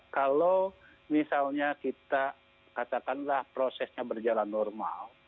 kalau misalnya kita katakanlah prosesnya berjalan normal